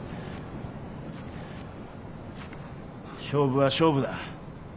勝負は勝負だ。